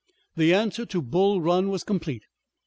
The answer to Bull Run was complete.